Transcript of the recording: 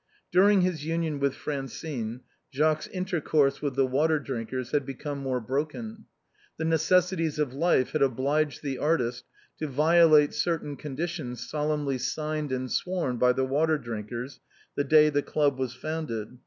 During his union with Francine, Jacques's intercourse with the Water drinkers had become more broken. The necessities of life had obliged the artist to violate certain conditions solemnly signed and sworn by the Water drink ers the day the club was founded.